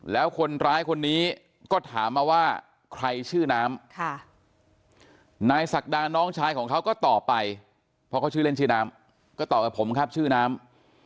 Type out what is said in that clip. แล้วคนร้ายคนนี้ก็ถามมาว่าใครชื่อน้ำนายศักดาน้องชายของเขาก็ตอบไปเพราะเขาชื่อเล่นชื่อน้ำก็ตอบกับผมครับชื่อน้ำ